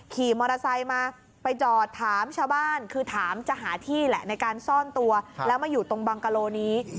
ขี่มอเตอร์ไซค์มาไปจอดถามชาวบ้านคือถามจะหาที่แหละในการซ่อนตัวแล้วมาอยู่ตรงบังกะโลนี้